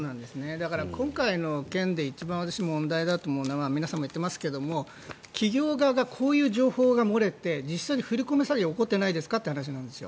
だから、今回の件で一番私は問題だと思うのは皆さん、言っていますけれど企業側がこういう情報が漏れて実際に振り込め詐欺が起こっていないですかという話です。